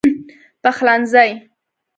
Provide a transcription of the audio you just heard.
پخلنځی